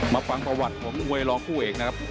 ฟังประวัติของมวยรองคู่เอกนะครับ